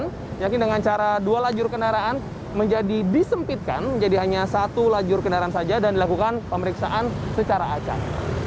dan yakin dengan cara dua lajur kendaraan menjadi disempitkan menjadi hanya satu lajur kendaraan saja dan dilakukan pemeriksaan secara acar